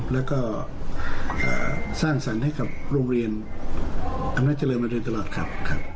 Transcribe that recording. และก็สร้างสรรค์ให้กับโรงเรียนธรรมดาเจริญประเทศตลอดครับ